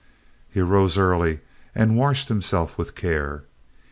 "] He arose early and washed himself with care.